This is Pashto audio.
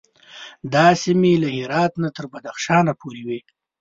دا سیمې له هرات نه تر بدخشان پورې وې.